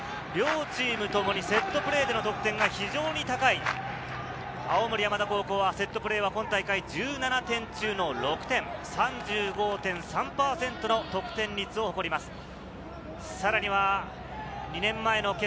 両チームともにセットプレーでの得点が非常に高い青森山田高校はセットプレーは今大会１７点中の６点、３５．３％の得点率を誇ります。